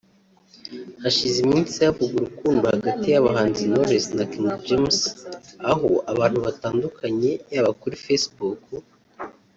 Hashize iminsi havugwa urukundo hagati y’abahanzi Knowless na King James aho abantu batandukanye yaba kuri Facebook